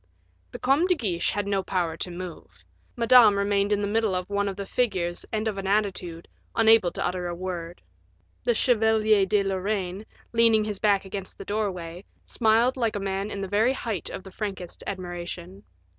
The Comte de Guiche had no power to move; Madame remained in the middle of one of the figures and of an attitude, unable to utter a word. The Chevalier de Lorraine, leaning his back against the doorway, smiled like a man in the very height of the frankest admiration.